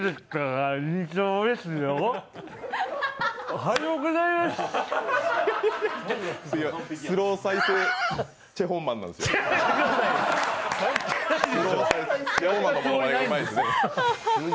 おはようございます。